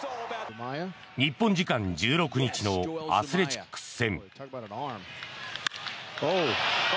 日本時間１６日のアスレチックス戦。